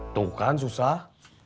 tuh kan susah